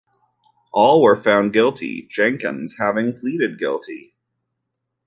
All were found guilty, Jenkins having pleaded guilty.